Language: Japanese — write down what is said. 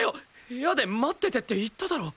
部屋で待っててって言っただろ。